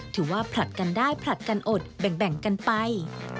ผลัดกันได้ผลัดกันอดแบ่งกันไป